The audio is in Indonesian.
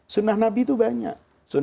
sunnah nabi itu banyak